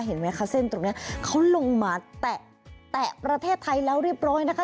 เห็นไหมคะเส้นตรงนี้เขาลงมาแตะประเทศไทยแล้วเรียบร้อยนะคะ